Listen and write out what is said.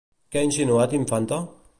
Què ha insinuat Infante?